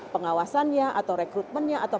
pengawasannya atau rekrutmennya atau